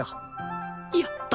やった！